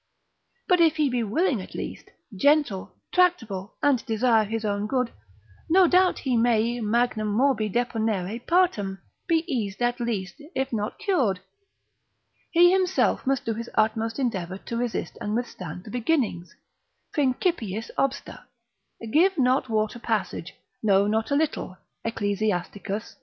But if he be willing at least, gentle, tractable, and desire his own good, no doubt but he may magnam morbi deponere partem, be eased at least, if not cured. He himself must do his utmost endeavour to resist and withstand the beginnings. Principiis obsta, Give not water passage, no not a little, Ecclus.